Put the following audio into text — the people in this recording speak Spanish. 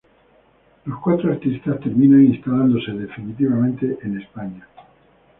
Los cuatro artistas terminan instalándose definitivamente en España.